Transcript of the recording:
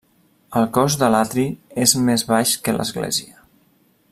El cos de l'atri és més baix que l'església.